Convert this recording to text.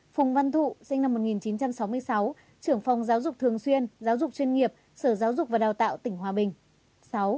hai phùng văn thụ sinh năm một nghìn chín trăm sáu mươi sáu trưởng phòng giáo dục thường xuyên giáo dục chuyên nghiệp sở giáo dục và đào tạo tỉnh hòa bình